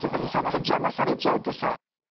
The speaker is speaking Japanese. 何か邪魔されちゃうとさ。